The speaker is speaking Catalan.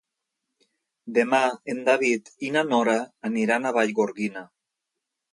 Demà en David i na Nora aniran a Vallgorguina.